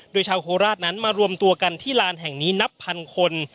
โดยชาวโคราชนั้นมารวมตัวกันที่ลานแห่งนี้นับพันคน